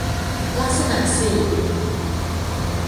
ลักษณะสี่